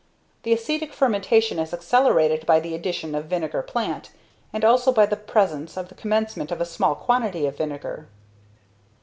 The acetic fermentation is accelerated by the addition of vinegar plant, and also by the presence from the commencement of a small quantity of vinegar.